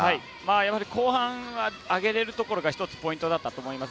やはり後半は上げられるところが一つポイントだったと思います。